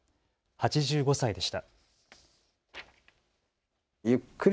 ８５歳でした。